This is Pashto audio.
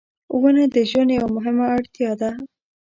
• ونه د ژوند یوه مهمه اړتیا ده.